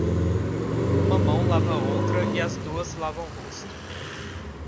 Uma mão lava a outra e as duas lavam o rosto.